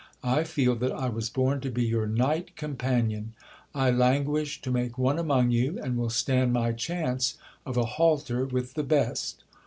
I feel that I was born to be your knight companion. I languish to make one among you, and will stand my chance of a halter with the best.